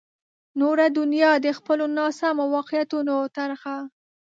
نوره دنیا د خپلو ناسمو واقعیتونو ترخه.